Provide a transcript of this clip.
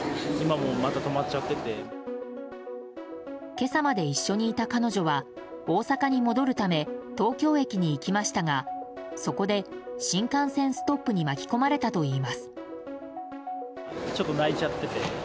今朝まで一緒にいた彼女は大阪に戻るため東京駅に行きましたがそこで新幹線ストップに巻き込まれたといいます。